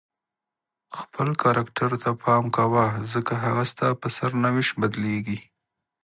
خپل کرکټر ته پام کوه ځکه هغه ستا په سرنوشت بدلیږي.